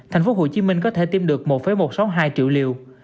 thành phố hồ chí minh có thể tiêm được một một trăm sáu mươi hai triệu liều